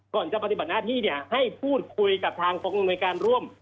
ก่อนจะปฏิบัติหน้าที่ให้พูดคุยกับทางกองอำนวยการร่วม